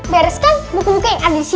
bereskan buku buku yang ada di situ